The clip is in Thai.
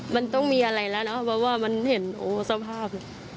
มันต้องมีอะไรแล้วเนาะเพราะว่ามันเห็นโอ้สภาพ